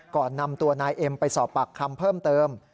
ก่อนนำตัวนายเอ็มไปสอบปากคำเพิ่มเติม